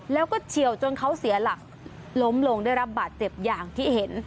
แล้วก็เฉียวจนเขาเสียหลักล้มลงได้รับบาดเจ็บอย่างที่เห็น